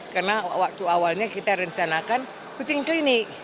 karena waktu awalnya kita rencanakan kucing klinik